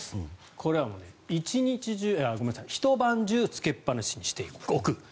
これはひと晩中つけっぱなしにしておく。